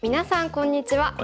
こんにちは。